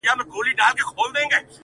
• اور دي په کلي مرګ دي په خونه -